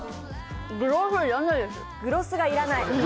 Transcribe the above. グロスがいらない？